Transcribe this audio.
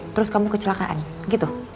terus kamu kecelakaan gitu